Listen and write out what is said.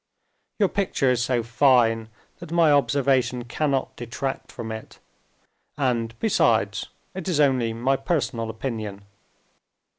Your picture is so fine that my observation cannot detract from it, and, besides, it is only my personal opinion.